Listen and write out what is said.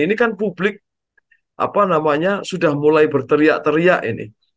ini kan publik sudah mulai berteriak teriak ini